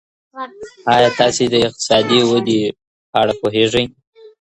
ایا تاسې د اقتصادي ودي په اړه پوهېږئ؟